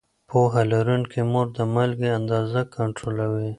پوهه لرونکې مور د مالګې اندازه کنټرولوي.